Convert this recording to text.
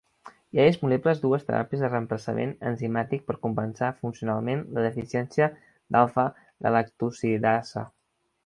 Hi ha disponibles dues teràpies de reemplaçament enzimàtic per compensar funcionalment la deficiència d'alfa-galactosidasa.